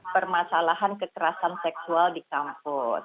permasalahan kekerasan seksual di kampus